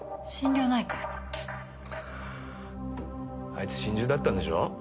あいつ心中だったんでしょ？